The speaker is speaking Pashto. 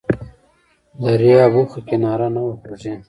دریاب و خو کناره نه وه خوږې!